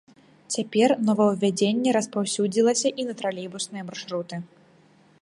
Цяпер новаўвядзенне распаўсюдзілася і на тралейбусныя маршруты.